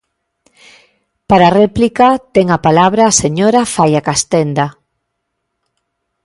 Para réplica, ten a palabra a señora Faia Castenda.